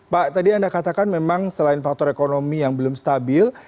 pak tadi anda katakan memang selain faktor ekonomi yang belum stabil